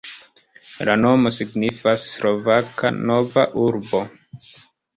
La nomo signifas Slovaka Nova Urbo.